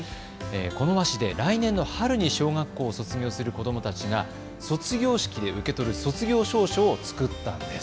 この和紙で来年の春に小学校を卒業する子どもたちが卒業式で受け取る卒業証書を作ったんです。